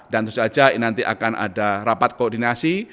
dan itu saja nanti akan ada rapat koordinasi